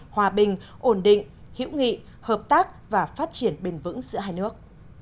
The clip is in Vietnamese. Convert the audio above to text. hòa bình ổn định hữu nghị hợp tác và phát triển bền vững giữa hai nước